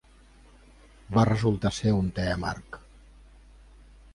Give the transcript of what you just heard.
Va resultar ser un te amarg.